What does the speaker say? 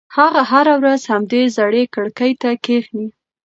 هغه هره ورځ همدې زړې کړکۍ ته کښېني.